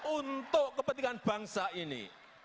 untuk kepentingan bangsa ini